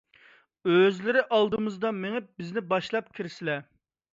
ئۆزلىرى ئالدىمىزدا مېڭىپ بىزنى باشلاپ كىرىسلە.